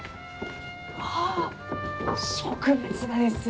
ああ植物画です。